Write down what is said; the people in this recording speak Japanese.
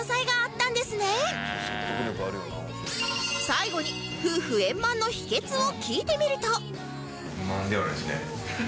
最後に夫婦円満の秘訣を聞いてみると